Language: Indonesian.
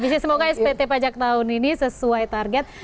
bisa semoga spt pajak tahun ini sesuai target